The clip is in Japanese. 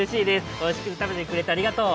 おいしくたべてくれてありがとう！